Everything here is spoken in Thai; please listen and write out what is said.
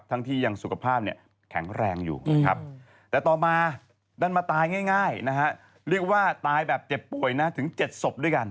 ตายง่ายนะฮะเรียกว่าตายแบบเจ็บป่วยนะถึงเจ็บศพด้วยกัน